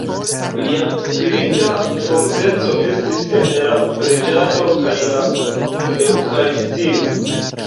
Lia spirita forteco estis en la preĝado kaj la eŭkaristio.